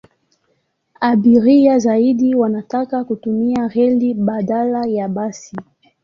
Abiria zaidi wanataka kutumia reli badala ya basi.